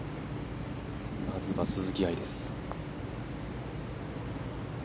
まずは鈴木愛です。